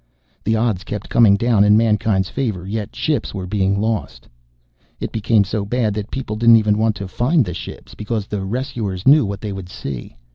The odds kept coming down in mankind's favor, yet ships were being lost. It became so bad that people didn't even want to find the ships because the rescuers knew what they would see.